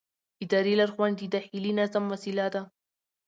اداري لارښوونې د داخلي نظم وسیله ده.